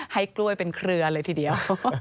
ให้กล้วยเป็นเครือเลยทีเดียว